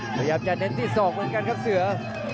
พยายามจะเน้นที่ศอกเหมือนกันครับเสือ